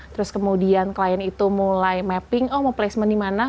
terus kemudian klien itu mulai mapping oh mau placement di mana